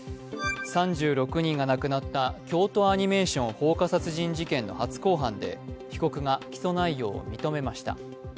３６人が亡くなった京都アニメーション放火殺人事件の初公判で被告が起訴内容を認めました。